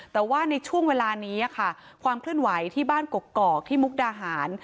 แต่ว่าในช่วงเวลานี้ค่ะความเคลื่อนไหวที่บ้านกกอกที่มุกดาหาร